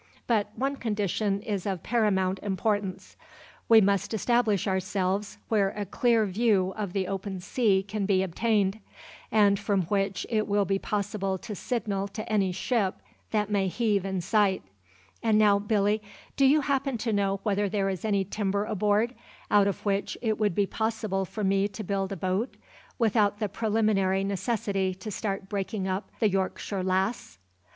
But one condition is of paramount importance; we must establish ourselves where a clear view of the open sea can be obtained, and from which it will be possible to signal to any ship that may heave in sight. And now, Billy, do you happen to know whether there is any timber aboard, out of which it would be possible for me to build a boat without the preliminary necessity to start breaking up the Yorkshire Lass?"